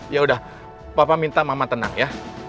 yaudah papa minta mama tenang ya